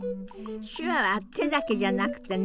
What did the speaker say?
手話は手だけじゃなくてね